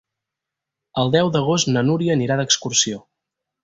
El deu d'agost na Núria anirà d'excursió.